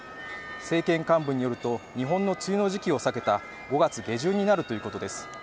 政権幹部によると、日本の梅雨の時期を避けた５月下旬になるということです。